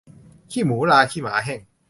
ขี้หมูราขี้หมาแห้ง